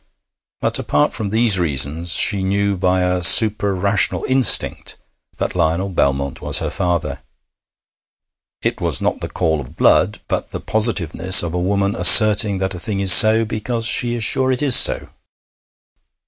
But apart from these reasons, she knew by a superrational instinct that Lionel Belmont was her father; it was not the call of blood, but the positiveness of a woman asserting that a thing is so because she is sure it is so.